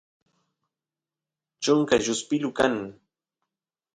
chunka lluspilu kan